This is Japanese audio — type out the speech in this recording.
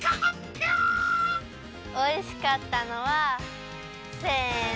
おいしかったのはせの！